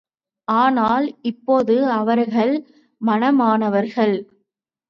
ஆனால் இப்போது அவர்கள் மணமானவர்கள்.